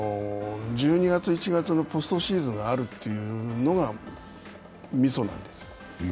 １２月、１月のポストシーズンがあるというのがみそなんですよ。